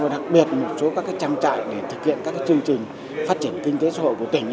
đặc biệt một số các trang trại để thực hiện các chương trình phát triển kinh tế xã hội của tỉnh